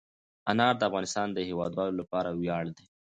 انار د افغانستان د هیوادوالو لپاره ویاړ دی.